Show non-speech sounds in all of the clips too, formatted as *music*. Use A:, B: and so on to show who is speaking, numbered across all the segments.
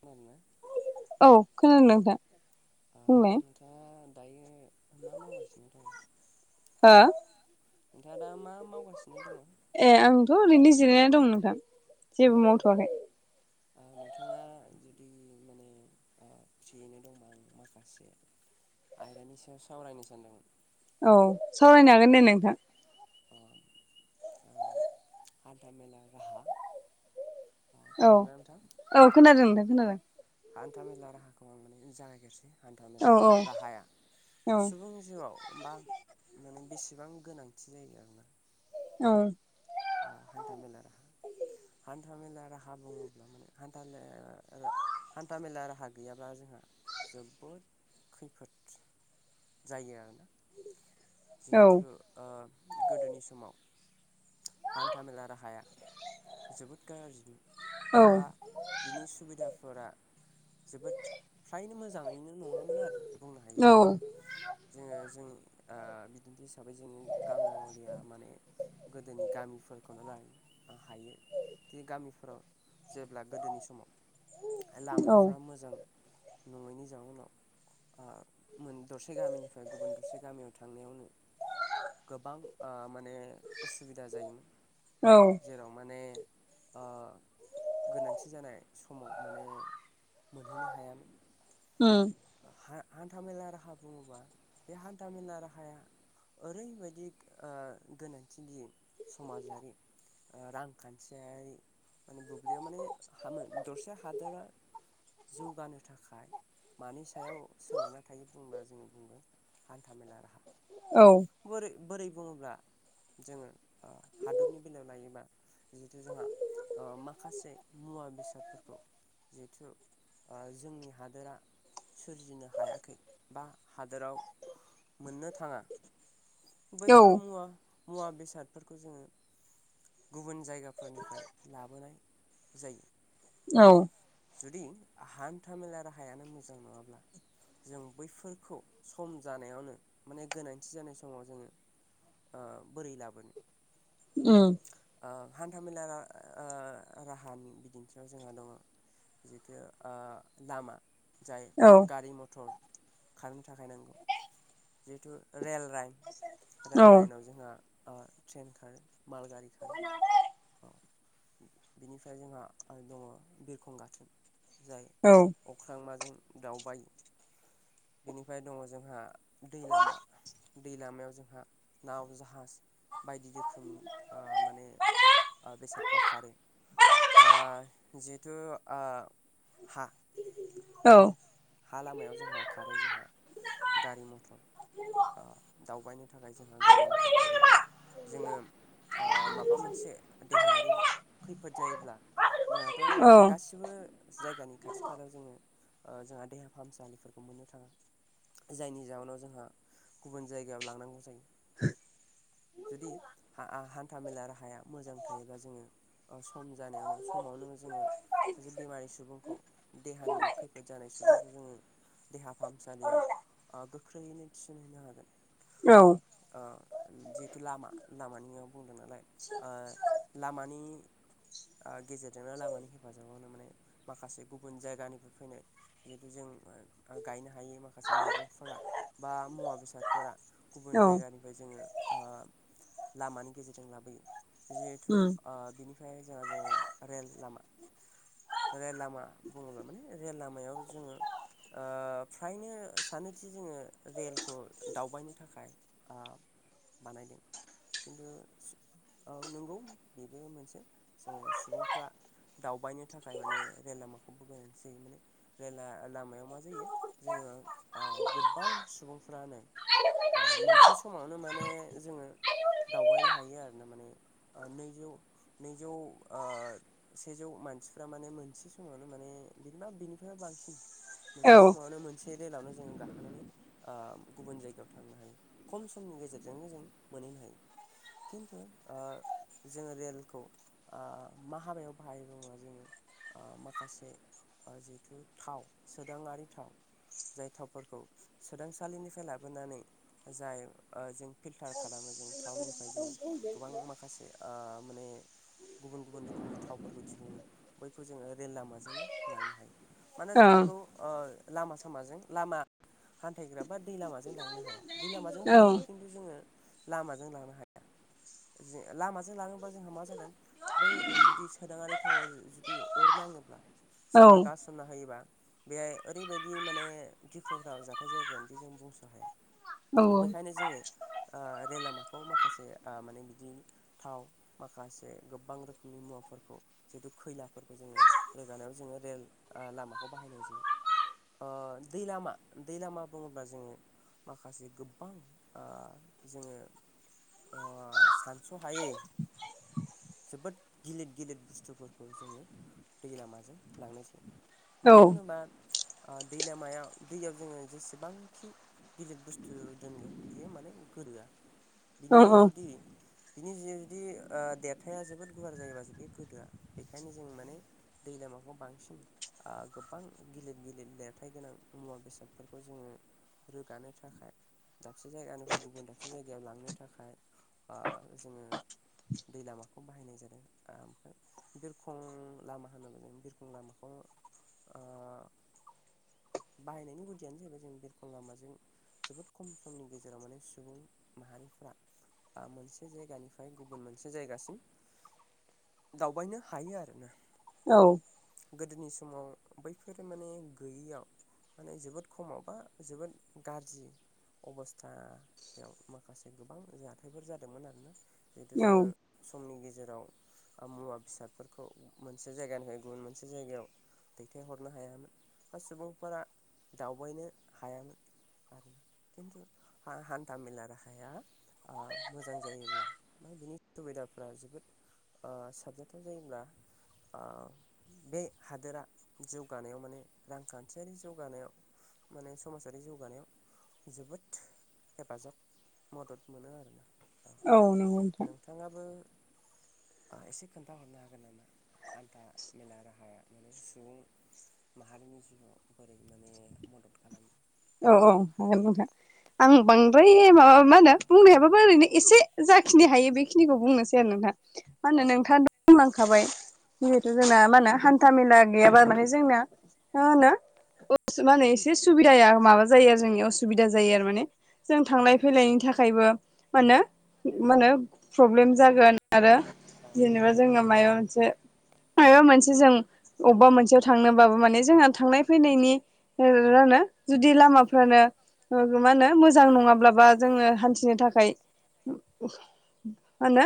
A: खोनादोना?
B: औ खोनादों नोंथां
A: ओ
B: बुंलाय
A: नोंथाङा दायो मा मावगासिनो दं?
B: हो
A: नोंथाङा दा मा माव
B: ए आंथ' ओरैनो जिरायनानै दं नोंथां। जेबो मावथ'वाखै।
A: औ। नोंथाङा जुदि माने फ्रियैनो दंबा आं माखासे आयदानि सायाव सावरायनो सानदोंमोन।
B: औ सावरायनो हागोन दे नोंथां।
A: हान्था मेला राहा ओ
B: औ
A: खोनादोंना नोंथां
B: औ खोनादों नोंथां खोनादों।
A: हान्था मेला राहाखौ आं माने जागायसै हान्था
B: औ
A: मेला राहाया
B: औ
A: सुबुं जिउआव बा माने बेसेबां गोनां थिनायगना *inaudible*
B: औ।
A: हान्था मेला राहा हान्था मेला राहा बुङोब्ला माने हान्था मेला रा हान्था मेला राहा गैयाब्ला जोंहा जोबोद खैफोद जायो आरोना
B: औ
A: जिहेथु गोदोनि समाव हान्थामेला राहाया जोबोद गाज्रिमोन बा बिनि सुबिदाफोरा जोबोद फ्रायनो मोजाङैनो नङामोन आरो बुंनो हायो
B: औ
A: जों। जोङो जोंनि ओ बिदिन्थि हिसाबै जोङो गांलिया माने गोदोनि गामिफोरखौनो ला हायो। बे गामिफोराव जेब्ला गोदोनि समाव
B: औ
A: लामाफ्रा मोजां नङैनि जाउनाव ओ मोन दरसे गामिनिफ्राय गुबुन दरसे गामियाव थांनायावनो गोबां ओ मा ने उसुबिदा जायोमोन।
B: औ
A: जेराव माने ओ गोनांथि जानाय समाव माने मोनहैनो हायामोन।
B: उम
A: हा न्था मेला राहा बुङोबा बे हान्था मेला राहाया ओरैबायदि ओ गोनांथि नि समाजारि ओ रांखान्थियारि माने बुब्लियाव माने हामो दरसे हादरा जौगानो थाखाय मानि सायाव सोनारना थायो बुंब्ला जोङो बुंगोन हान्था मेला राहा
B: औ
A: बोरै बोरै बुङोब्ला जोङो ओ हादरनि बेलायाव लायोबा जिहेथु जोंहा ओ माखासे मुवा बेसादफोरखौ जिहेथु आ जोंनि हादोरा सोरजिनो हाया बा हादोराव मोननो थाङा।
B: औ
A: बैफोर मुवा मुवा बेसादफोर खौ जोङो गुबुन जायगाफोरनिफ्राय लाबोनाय जायो।
B: औ।
A: जुदि हान्थामेला राहाया नो मोजां नङाब्ला जों बैफोरखौ सम' जानायावनो माने गोनांथि जानाय समाव जोङो ओ बोरै' लाबोनो?
B: उम'।
A: ओ हान्थामेला रा ओ राहानि बिदिन्थिआव जोङो दं जिथु ओ लामा जाय
B: औ
A: गारि मथर खारनो थाखाय नांगौ। जिहेथु रेल लाइन रेल
B: औ
A: लाइनाव जोंहा आ ट्रेन खारो माल गारि खारो औ। बिनिफ्राय जोंहा ओ दङ बिरखं गाथोन। जाय
B: औ
A: अख्रां माजों दावबाय बेनिफ्राय दङ जोंहा दै लामा दै लामायाव जोंहा नाव जाहाज बायदि रोखोम ओ माने ओ बेसादफ्रा खारो। आ जिहथु आ हा
B: औ।
A: हा लामायाव जोंहा खारो जोंहा गारि मथर आ दावबायनो था खाय जोंहा गारि मथर खारो। जोङो ओ माबा मोनसे देहायारि खैफोद जायोब्ला जोंहाथ'
B: औ
A: गासिबो जायगानि खाथि खालायाव ओ‌ जोङो जोंहा देहा फाहामसालिफोरखौ मोननो थाङा। जायनि जउोनाव जोंहा गुबुन जायगायाव लांनांगौ जायो। जुदि हाआ हान्था मेला राहाया मोजां थायोब्ला जोङो सम' जानायावनो समावनो जोङो सासे बेमारि सुबुंखौ देहानि खैफोद जानाय सु बुंखौ जोङो देहा फाहामसालियाव गोख्रैयैनो ओ थिसनहैनो हागोन।
B: औ
A: ओ जिहेतु लामा लामानियाव बुंदों नालाय ओ लामानि ओ गेजेरजोंनो लामानि हेफाजाबावनो माने माखासे गुबुन जायगानिफ्राय फैनाय जिहेथु जों गायनो हायो माखासे मैगंफोरा बा मुवा बेसादफोरा गुबुन
B: औ
A: जायगानिफ्राय जोङो ओ लामानि गेजेरजों लाबोयो जिहेथु
B: उम
A: ओ बिनि फ्राय जोंहा जोंहा रेल लामा रेल लामा बुङोब्ला माने रेल लामायाव। जोङो। ओ फ्रायनो सानोदि जोङो रेलखौ दावबायनो थाखाय ओ बानायदों। खिन्थु औ नंगौ बेबो मोनसे जोङो सुबुंफ्रा। दावबायनो थाखाय माने रेल लामाखौबो गोनांथि जायो। माने रेला लामायाव मा जायो जोङो ओ गोबां सुबुंफ्रानो। ओ मोनसे समावनो माने जोङो दावबायनो हायो आरो ना माने नै जौ नैजौ ओ सेजौ मानसिफ्रा माने मोनसे समावनो माने बिदिबा बेनि बांसिन
B: औ
A: मोनसे
B: ओं
A: समावनो मोनसे रेलावनो जोङो गाखोनानै ओ गुबुन जायगायाव थांनो हायो। खम समनि गेजेरजोंनो जों मोन हैनो‌ हायो खिन्थु ओ जोङो रेलखौ ओ मा हाबायाव बाहाय बुङो जोङो। ओ माखासे जिहेथु थाव सोदाङारि थाव जाय थावफोरखौ सोदांसालिनिफ्राय लाबोनानै जाय जों फिल्टार खालामो जों टावउननिफ्राय जोङो गोबां माखासे ओ माने गुबुन गुबुन रोखोमनि थावफोरखौ दिहुनो बैखौ जोङो रेल लामाजोंनो लांनो हायो। मानो जों बेखौ ओ लामा सामाजों लामा हान्थायग्रा बा दै लामाजों लांनो हाया दै
B: औ
A: लामाजोंबो हायो खिन्थु जोङो लामाजों लांनो हाया। लामाजों लाङोबा जोंहा मा जागोन बै जुदि सोदाङारि थावा जुदि अर नाङोब्ला सोरबा गासनना होयोबा बेहाय ओरैबायदि माने गिख्रंथाव जाथाय जायगानोदि जों बुंस' हाया बेखायनो जोङो ओ रेल लामाखौ माखासे माने बिदि थाव माखासे गोबां रोखोमनि मुवाफोरखौ जिहेतु खैलाफोरखौ जोङो रोगानायाव जोङो रेल लामाखौ बाहायनाय जायो। ओ दै लामा दै लामा बुङोब्ला जोङो माखासे गोबां ओ जोङो ओ सानस' हायै जोबोद गिलिर गिलिर बुस्थुफोरखौ जोङो दै लामाजों लांनाय जायो मानो होनोबा दै लामायाव दैयाव जोङो जेसेबांखि गिदिर बुस्थु दोनगोन बियो माने गोदोआ
B: औ औ
A: बिनि जुदि बिनि जि जुदि देरथाया जोबोद गुवार जायोबा ज गोदोआ बेखायनो जों माने दै लामाखौ बांसिन ओ गोबां गिलिर गिलिर लेरथाइ गोनां मुवा बेसादफोरखौ जोङो रोगानो थाखाय दाबसे जायगानिफ्राय गुबुन दाबसे जायगायाव लांनो थाखाय ओ जोङो दै लामाखौ बाहायनाय जादों ओमफ्राय बिरखं लामा होनोब्ला जों बिरखं लामाखौ ओ बाहायनायनि गुदियानो जाहैबाय जों बिरखं लामाजों जोबोद खम समनि गेजेराव माने सुबुं माहारिफ्रा मोनसे जायगानिफ्राय गुबुन मोनसे जायगासिम दावबायनो हायो आरो ना
B: औ
A: गोदोनि समाव बैफोर माने गैयैयाव माने जोबोद खमावबा जोबोद गाज्रि अबस्थायाव माखासे गोबां हाथायफोर जादोंमोन आरोना जितु
B: औ
A: जोङो समनि गेजे जेराव मुवा बेसादफोरखौ मोनसे जायगानो होयो गुबुन मोनसे जायगायाव दैथायहरनो हायामोन बा सुबुंफोरा दावबायनो हायामोन आरोना खिन्थु हान्था मेला राहाया मोजां जायोब्ला बा बिनि दुबिदाफ्रा जोबोद ओ साबजेक्टआव जायोब्ला आ बे हादोरा जौगानायाव माने रांखान्थियारि जौगानायाव माने समाजारि जौगानायाव जोबोद हेफाजाब मदद मोनो आरो।
B: औ नंगौ नोंथां।
A: एसे खोन्थाहरनो हागोन नामा हान्था मेला राहाया माने सुबुं माहारिनि जिउआव बोरै माने मदद खालामदों।
B: औ औ *unintelligible* आं बांद्राय माबा मा होनो बुंनो हायाबाबो ओरैनो एसे जाखिनि हायो बेखिनिखौ बुंनोसै आरो नोंथां। मा
A: औ
B: होनो नोंथाङा *unintelligible* खाबाय जिहेथु जोंना मा होनो हान्था मेला गैयाबा माने जोंनाया मा होनो *unintelligible* माने एसे सुबिदाया माबा जायो आरो जोंनि असुबिदा जायो आरो माने। जों थांलाय
A: औ
B: फैलायनि थाखायबो मानो मा होनो प्रब्लेम जागोन आरो
A: औ औ
B: जेनेबा जों मायबा मोनसे *unintelligible* जों अबबा मोनसेयाव थांनोबाबो माने जोंहा थांनाय फैनायनि रानो जुदि लामाफ्रानो मा होनो मोजां नङाब्लाबा जोङो हान्थिनो थाखाय मा होनो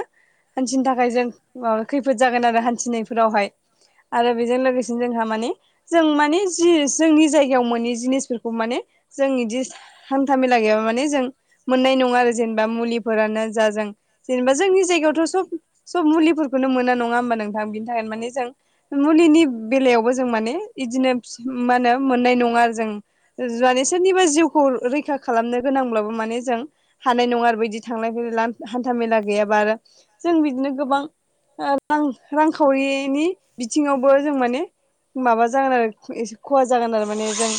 B: हान्थिनो थाखाय
A: खैफोद
B: जों
A: जागोन
B: माबा खैफोद जागोन आरो हान्थिनायफोरावहाय
A: औ
B: आरो बेजों लोगोसे जोंहा माने जों माने जि जोंनि जायगायाव‌ मोनै जिनिसफोर खौ माने जों इदि हान्था मेला गैयाबा माने जों मोननाय नङा आरो जेनेबा मुलिफोरानो जाजों जेनेबा
A: औ औ
B: जोंनि जायगायावथ' सब-सब मुलिफोरखौनो मोना नङा होमबा नोंथां बिनि थाखायनो
A: औ
B: माने जों मुलिनि बेलायावबो जों माने इदिनो मा होनो मोननाय नङा आरो जों जुदि सोरनिबा जिउखौ रैखा खालामनो गोनांब्लाबो मान ने जों हानाय नङा आरो बिदि थांनायै हान्थ मेला गैयाबा रो जों बिदिनो गोबां ओ रां रांखावरिनि बिथिङावबो जों माने माबा जागोन आरो एसे खहा जागोन आरो माने जों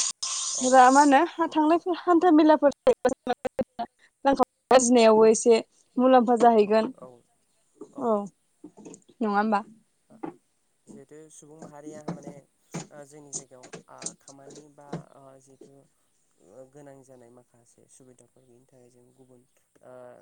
B: मा होनो थांनाय हान्था मेलाफोर *unintelligible* आजिनायावबो एसे मुलाम्फा जाहैगोन।
A: औ औ
B: अ नङा होमबा?
A: *inaudible* जों सुबुं माहारिया माने ओ जोंनि गेजेराव आ खामानि बा ओ जिथु ओ गोनां जानाय माखासे सुबिदाफोर गैयिनि थाखाय जों गुबुन ओ